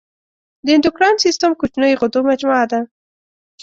د اندوکراین سیستم کوچنیو غدو مجموعه ده.